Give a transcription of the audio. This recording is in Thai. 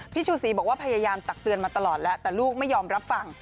ชูศรีบอกว่าพยายามตักเตือนมาตลอดแล้วแต่ลูกไม่ยอมรับฟัง